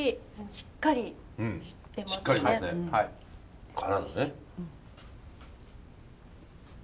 しっかりしてますね。